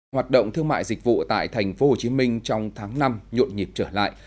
hoạt động thương mại dịch vụ tại tp hcm trong tháng năm nhộn nhịp trở lại